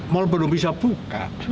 mal belum bisa buka